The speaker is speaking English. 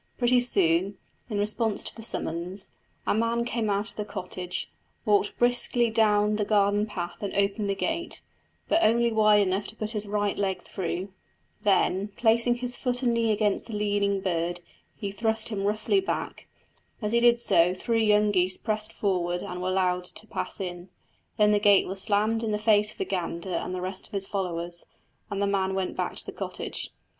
Pretty soon, in response to the summons, a man came out of the cottage, walked briskly down the garden path and opened the gate, but only wide enough to put his right leg through; then, placing his foot and knee against the leading bird, he thrust him roughly back; as he did so three young geese pressed forward and were allowed to pass in; then the gate was slammed in the face of the gander and the rest of his followers, and the man went back to the cottage.